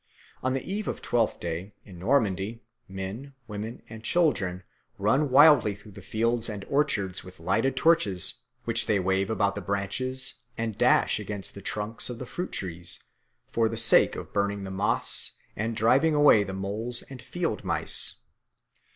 On the eve of Twelfth Day in Normandy men, women, and children run wildly through the fields and orchards with lighted torches, which they wave about the branches and dash against the trunks of the fruit trees for the sake of burning the moss and driving away the moles and field mice.